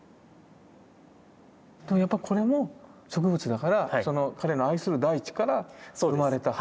でもやっぱこれも植物だから彼の愛する大地から生まれた。